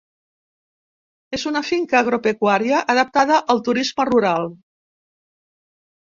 És una finca agropecuària adaptada al Turisme rural.